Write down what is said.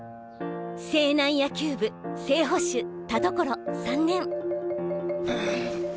勢南野球部正捕手田所３年はぁ。